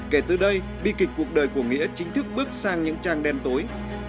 kể từ đây bi kịch cuộc đời của nghĩa chính thức bước sang những trang đen tối